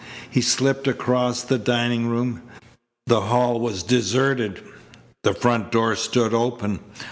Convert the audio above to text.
He slipped across the dining room. The hall was deserted. The front door stood open.